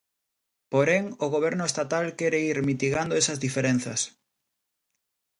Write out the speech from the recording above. Porén, o Goberno estatal quere ir mitigando esas diferenzas.